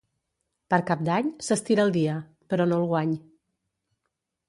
Per Cap d'Any s'estira el dia, però no el guany.